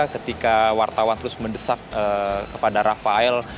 ketika wartawan terus mendesak kepada rafael